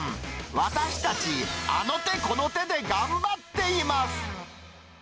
私たち、あの手この手で頑張っています。